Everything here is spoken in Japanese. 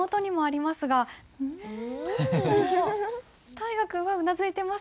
大河君はうなずいてますが。